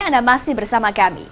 anda masih bersama kami